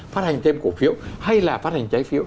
phát hành thêm cổ phiếu hay là phát hành trái phiếu